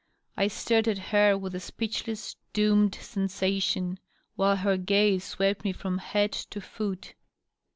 I stared at her with a speechless^ doomed sensation while her gaze swept me from head to foot.